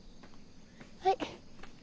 はい。